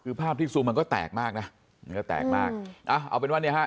คือภาพที่ซูมมันก็แตกมากนะมันก็แตกมากเอาเป็นว่าเนี่ยฮะ